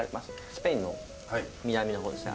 スペインの南の方ですね。